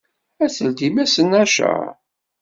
Ad teldim ass n acer?